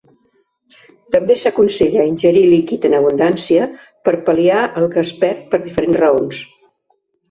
També s'aconsella ingerir líquid en abundància per pal·liar el que es perd per diferents raons.